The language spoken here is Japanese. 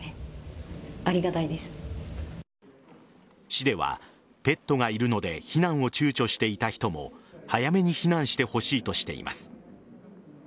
市ではペットがいるので避難をちゅうちょしていた人も早めに避難してほしいとしています。